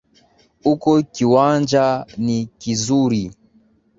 Huko kiwanja ni kizuri